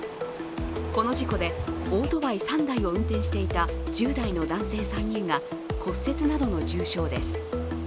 この事故でオートバイ３台を運転していた１０代の男性３人が骨折などの重傷です。